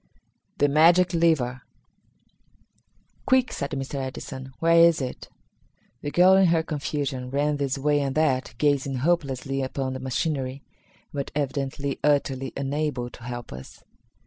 The Magic Lever! "Quick," said Mr. Edison, "where is it?" The girl in her confusion ran this way and that, gazing hopelessly upon the machinery, but evidently utterly unable to help us.